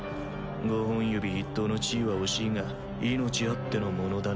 五本指筆頭の地位は惜しいが命あっての物種